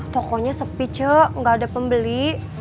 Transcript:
tokonya sepi cuk gak ada pembeli